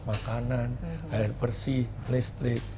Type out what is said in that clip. makanan air bersih listrik